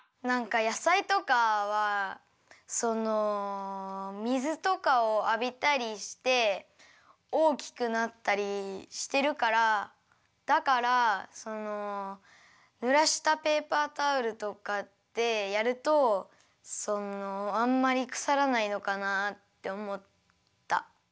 なんかやさいとかはその水とかをあびたりしておおきくなったりしてるからだからそのぬらしたペーパータオルとかでやるとそのあんまりくさらないのかなっておもった。